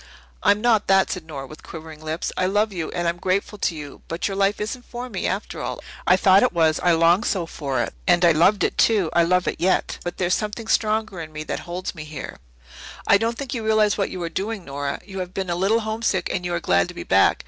"I'm not that," said Nora with quivering lips. "I love you, and I'm grateful to you. But your life isn't for me, after all. I thought it was I longed so for it. And I loved it, too I love it yet. But there's something stronger in me that holds me here." "I don't think you realize what you are doing, Nora. You have been a little homesick and you are glad to be back.